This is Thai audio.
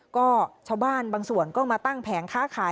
ก็ชาวบ้านบางส่วนก็มาตั้งแผงค้าขาย